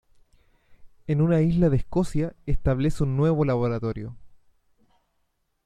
En una isla de Escocia establece un nuevo laboratorio.